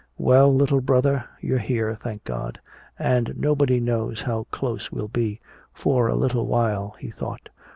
"Well, little brother, you're here, thank God. And nobody knows how close we'll be for a little while," he thought.